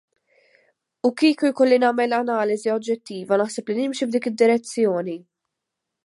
U kieku jkolli nagħmel analiżi oġġettiva naħseb li nimxi f'dik id-direzzjoni.